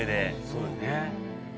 そうよね。